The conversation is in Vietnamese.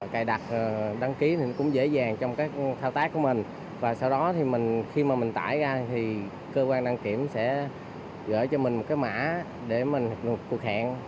cài đặt đăng kiểm cũng dễ dàng trong các thao tác của mình và sau đó khi mà mình tải ra thì cơ quan đăng kiểm sẽ gửi cho mình một cái mã để mình cuộc hẹn